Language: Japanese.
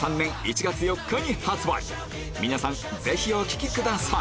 皆さんぜひお聴きください